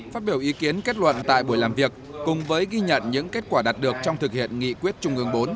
phát biểu ý kiến kết luận tại buổi làm việc cùng với ghi nhận những kết quả đạt được trong thực hiện nghị quyết trung ương bốn